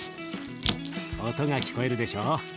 音が聞こえるでしょ。